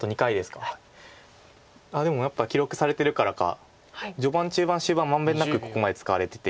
でもやっぱり記録されてるからか序盤中盤終盤満遍なくここまで使われてて。